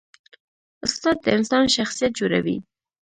استاد د انسان شخصیت جوړوي.